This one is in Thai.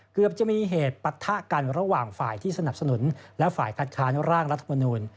เกือบจะมีเหตุปะทะกันระหว่างฝ่ายที่สนับสนุนและฝ่ายคัดค้านร่างรัฐมนูล